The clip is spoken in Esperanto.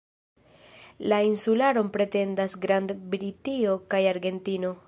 La insularon pretendas Grand-Britio kaj Argentino.